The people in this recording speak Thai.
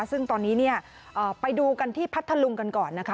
ซึ่งตอนนี้เนี่ยไปดูกันที่พัทธลุงกันก่อนนะคะ